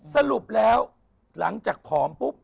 สรุปแล้วหลังจากผอมปุ๊บ